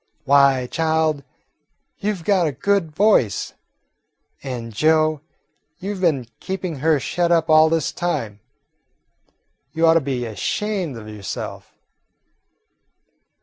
"Why, child, you 've got a good voice. And, Joe, you 've been keeping her shut up all this time. You ought to be ashamed of yourself."